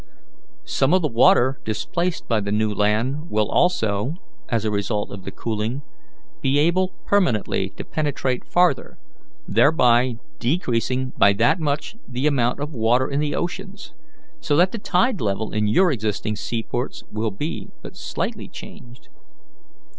Some of the water displaced by the new land will also, as a result of the cooling, be able permanently to penetrate farther, thereby decreasing by that much the amount of water in the oceans, so that the tide level in your existing seaports will be but slightly changed.